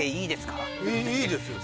いいですよ